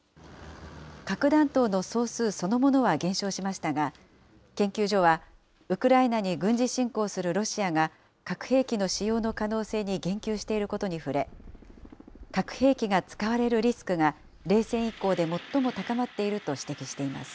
核弾頭の総数そのものは減少しましたが、研究所は、ウクライナに軍事侵攻するロシアが、核兵器の使用の可能性に言及していることに触れ、核兵器が使われるリスクが冷戦以降で最も高まっていると指摘しています。